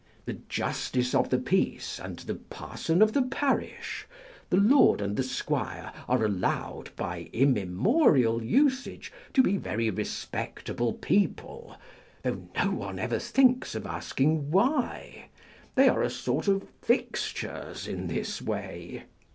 The Justice of the Peace, and the Parson of the parish, the Lord and the Squire, are allowed, by immemorial usage, to be very re spectable people, though no one ever thinks of asking why. They are a sort of fixtures in this way.